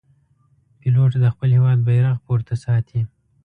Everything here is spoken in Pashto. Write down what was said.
پیلوټ د خپل هېواد بیرغ پورته ساتي.